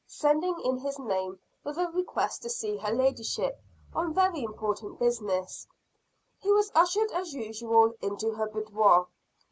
Sending in his name, with a request to see her ladyship on very important business, he was ushered as usual into her boudoir.